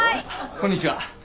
こんにちは。